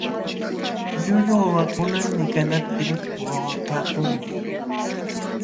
Llullu wawakuna mikanaptin wawapaakunmi.